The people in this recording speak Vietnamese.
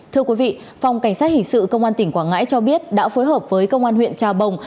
thưa quý vị phòng cảnh sát hình sự công an tỉnh quảng ngãi cho biết đã phối hợp với công an huyện trà bồng